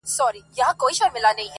موږه تل د نورو پر پلو پل ږدو حرکت کوو~